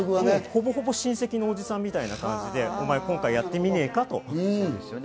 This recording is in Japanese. ほぼほぼ親戚のおじさんみたいな感じで今回やってみないかと。